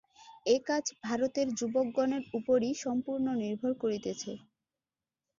এ-কাজ ভারতের যুবকগণের উপরই সম্পূর্ণ নির্ভর করিতেছে।